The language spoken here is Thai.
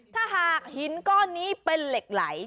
ถ้าหากหินก้อนนี้เป็นเหล็กไหล